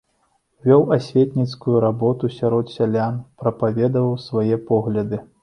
Вёў асветніцкую работу сярод сялян, прапаведаваў свае погляды.